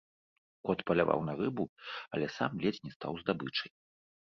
Кот паляваў на рыбу, але сам ледзь не стаў здабычай.